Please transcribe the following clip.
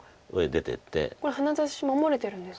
これハネ出し守れてるんですね。